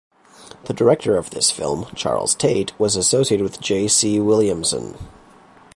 The director of this film, Charles Tait, was associated with J. C. Williamson.